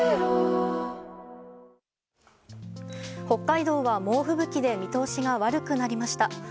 北海道は猛吹雪で見通しが悪くなりました。